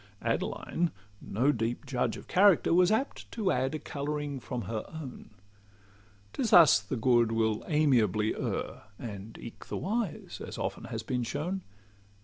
Adeline, no deep judge of character, Was apt to add a colouring from her own: 'Tis thus the good will amiably err, And eke the wise, as has been often shown.